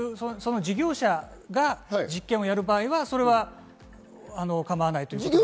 事業者が実験をやる場合は構わないということです。